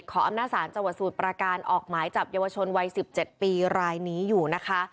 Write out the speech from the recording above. ต้องจอมปิดขออำนาจสารเจาะสูตรประการออกหมายจับเยาวชนวัย๑๗ปีรายนี้อยู่นะคะ